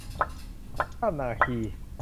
ถ้ำนาคี